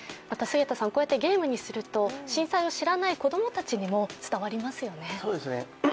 また菅田さん、こうやってゲームにすると、震災を知らない子供たちにも伝えられますよね。